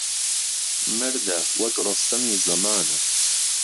مەرده وهک ڕۆستهمی زهمانه